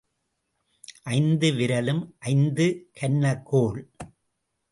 ஐந்து விரலும் ஐந்து கன்னக்கோல்.